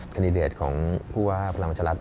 กัณฑิเตียตของผู้ว่าพลังวัชรัฐ